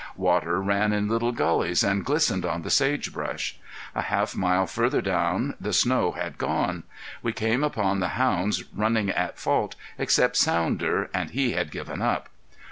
Water ran in little gullies and glistened on the sagebrush. A half mile further down the snow had gone. We came upon the hounds running at fault, except Sounder, and he had given up.